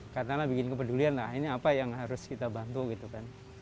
karena bikin kepedulian lah ini apa yang harus kita bantu gitu kan